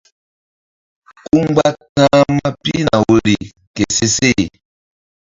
Ku mgba ta̧hma pihna woyri ke seseh.